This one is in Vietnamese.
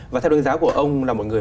và theo đơn giá của ông là một người